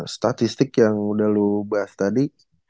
statistik yang udah lu bahas tadi